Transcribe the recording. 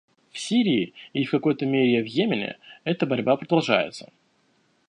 В Сирии и, в какой-то мере, в Йемене эта борьба продолжается.